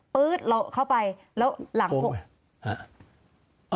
ื๊ดเราเข้าไปแล้วหลัง๖